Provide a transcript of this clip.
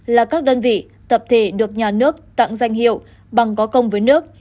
là các đơn vị tập thể được nhà nước tặng danh hiệu bằng có công với nước